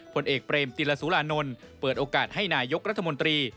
ผลเอกเปรมติลสุรานนท์เปิดโอกาสให้นายกรัฐมนตรี